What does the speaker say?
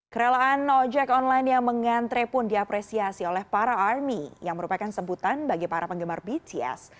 kerelaan ojek online yang mengantre pun diapresiasi oleh para army yang merupakan sebutan bagi para penggemar bts